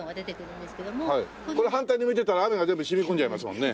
これ反対に向いてたら雨が全部染み込んじゃいますもんね。